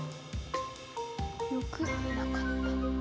よくなかった。